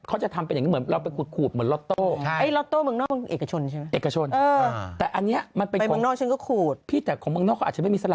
เขาจะทำเป็นอย่างนี้เหมือนเราไปขูดเหมือนล็อตโต้